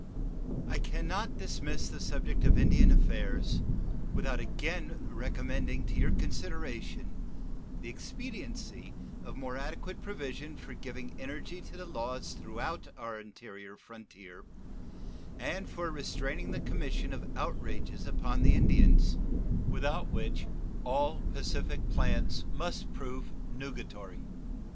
I can not dismiss the subject of Indian affairs without again recommending to your consideration the expediency of more adequate provision for giving energy to the laws throughout our interior frontier and for restraining the commission of outrages upon the Indians, without which all pacific plans must prove nugatory.